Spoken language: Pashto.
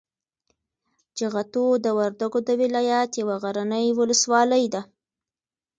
جغتو د وردګو د ولایت یوه غرنۍ ولسوالي ده.